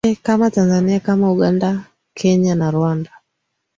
ee kama tanzania kama uganda kenya na rwanda